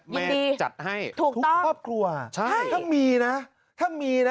แม่จัดให้ทุกครอบครัวใช่ถ้ามีนะถ้ามีนะ